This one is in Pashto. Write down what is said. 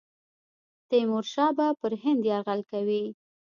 تیمورشاه به پر هند یرغل کوي.